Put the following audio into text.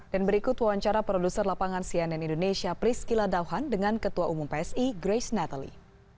dan berikut wawancara produser lapangan cnn indonesia prisky ladauhan dengan ketua umum psi grace natalie